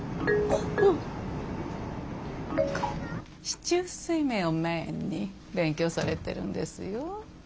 四柱推命をメインに勉強されてるんですよ。